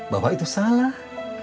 bapak itu salah